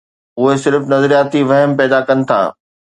اهي صرف نظرياتي وهم پيدا ڪن ٿا.